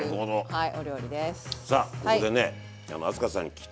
はい。